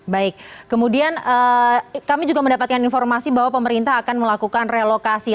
baik kemudian kami juga mendapatkan informasi bahwa pemerintah akan melakukan relokasi